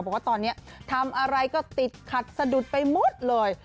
บอกว่าตอนนี้ทำอะไรก็ติดขัดสะดุดไปหมดเลย